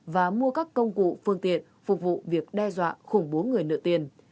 và mua các công cụ phương tiện phục vụ việc đe dọa khủng bố người nợ tiền